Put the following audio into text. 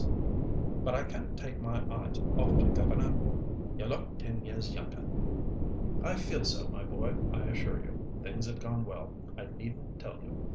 But I can't take my eyes off you, governor! You look ten years younger." "I feel so, my boy, I assure you. Things have gone well, I needn't tell you.